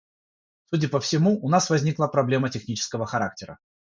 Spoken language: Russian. Судя по всему, у нас возникла проблема технического характера.